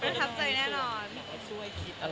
คับใจแน่นอน